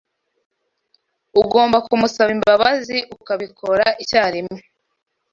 Ugomba kumusaba imbabazi, ukabikora icyarimwe.